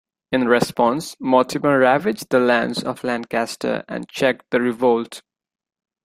In response, Mortimer ravaged the lands of Lancaster and checked the revolt.